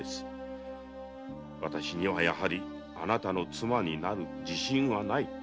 「私にはやはりあなたの妻になる自信はない。